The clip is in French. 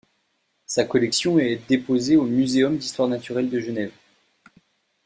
Sa collection est déposée au Muséum d'histoire naturelle de Genève.